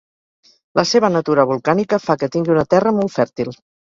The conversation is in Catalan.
La seva natura volcànica fa que tingui una terra molt fèrtil.